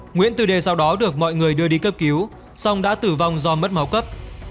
nguyễn tư đê sau đó được mọi người đưa đi cấp cứu xong đã tử vong do mất máu cấp